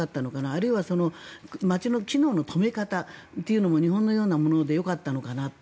あるいは街の機能の止め方というのが日本のようなものでよかったのかなと。